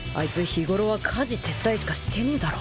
日頃は家事手伝いしかしてねえだろ。